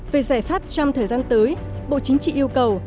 về giải pháp trong thời gian tới bộ chính trị yêu cầu